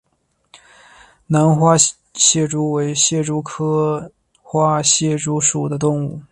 华南花蟹蛛为蟹蛛科花蟹蛛属的动物。